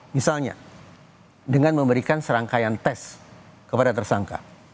misalnya dengan memberikan serangkaian tes kepada tersangka